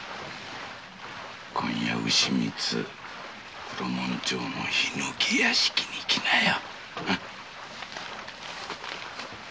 今夜の丑三つ黒門町の檜屋敷に来なよ。